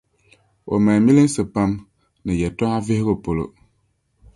O mali milinsi pam ni yɛtɔɣa vihigu polo.